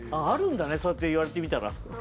あるんだねそうやって言われてみたら。